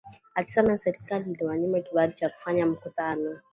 Alisema serikali iliwanyima kibali cha kufanya mkutano